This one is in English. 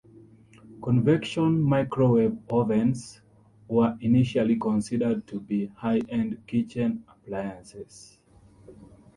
Convection microwave ovens were initially considered to be high-end kitchen appliances.